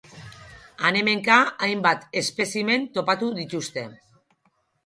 Han-hemenka, hainbat espezimen topatu dituzte.